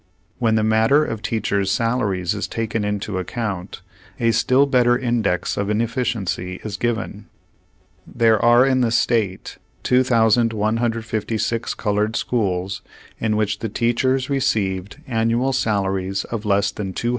When the matter of teachers' sal aries is taken into account, a still better index of inefficiency is given. There are in the state 2,156 colored schools, in which the teachers received annual salaries of less than $200.